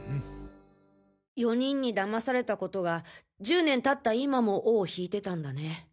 ４人に騙されたことが１０年経った今も尾を引いてたんだね。